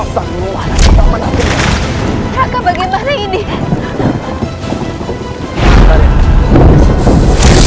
kau akan menjadi dewa kematianmu raden